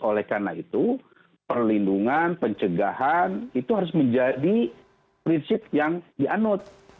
oleh karena itu perlindungan pencegahan itu harus menjadi prinsip yang dianut